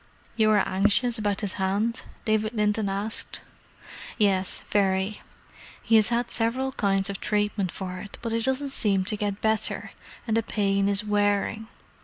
"You are anxious about his hand?" David Linton asked. "Yes, very. He has had several kinds of treatment for it, but it doesn't seem to get better; and the pain is wearing.